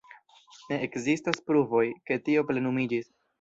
Ne ekzistas pruvoj, ke tio plenumiĝis.